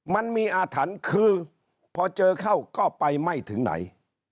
มันมีอาถรรพ์คือพอเจอเข้าก็ไปไม่ถึงไหน